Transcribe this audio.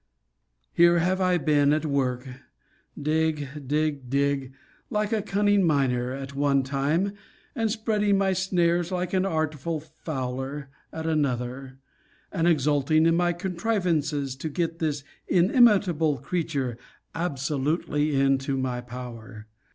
Here have I been at work, dig, dig, dig, like a cunning miner, at one time, and spreading my snares, like an artful fowler, at another, and exulting in my contrivances to get this inimitable creature, absolutely into my power.